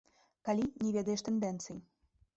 Калі не ведаеш тэндэнцый.